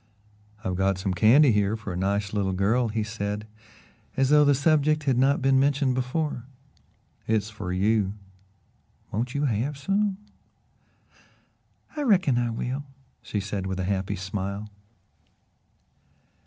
"I've got some candy here for a nice little girl," he said, as though the subject had not been mentioned before. "It's for you. Won't you have some?" "I reckon I will," she said with a happy smile.